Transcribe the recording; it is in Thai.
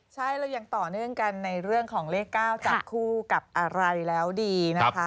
ใช่เรายังต่อเนื่องกันในเรื่องของเลข๙จับคู่กับอะไรแล้วดีนะคะ